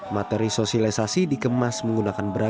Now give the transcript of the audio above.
materi sosialisasi dikemas menggunakan beragam